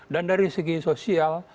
dan dari segi sosial